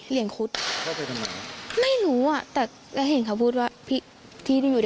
เพื่อเหรอ